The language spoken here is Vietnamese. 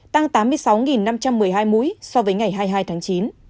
tăng tám mươi sáu năm trăm một mươi hai mũi so với ngày hai mươi hai tháng chín